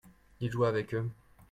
il jouait avec eux.